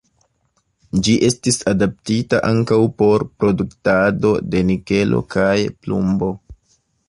Ĝi estis adaptita ankaŭ por produktado de nikelo kaj plumbo.